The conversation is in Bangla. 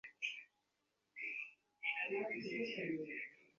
তিনি মুক্তচিন্তার প্রবক্তা ছিলেন—তার থেকে আমরা অনেক সাহস সঞ্চয় করতে পারতাম।